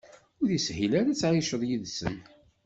Ur yeshil ara ad tεiceḍ yid-sen.